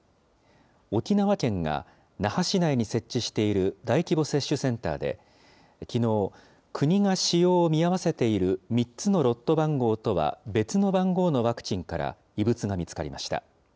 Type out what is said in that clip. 沖縄県が那覇市内に設置している大規模接種センターで、きのう、国が使用を見合わせている３つのロット番号とは別の番号のワクチンから、異物が見つかりました。